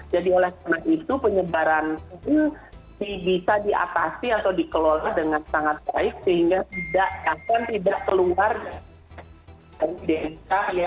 jadi oleh karena itu penyebaran ini bisa diatasi atau dikelola dengan sangat baik sehingga tidak akan keluar dari desa